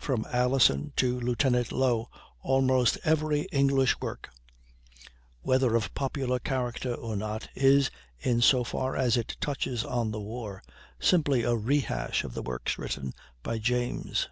From Alison to Lieutenant Low, almost every English work, whether of a popular character or not, is, in so far as it touches on the war, simply a "rehash" of the works written by James.